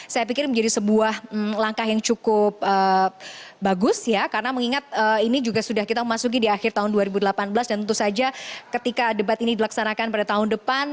saya pikir menjadi sebuah langkah yang cukup bagus ya karena mengingat ini juga sudah kita memasuki di akhir tahun dua ribu delapan belas dan tentu saja ketika debat ini dilaksanakan pada tahun depan